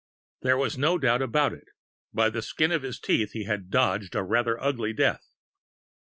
There was no doubt about it. By the skin of his teeth he had dodged a rather ugly death.